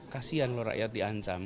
kasian lho rakyat diancam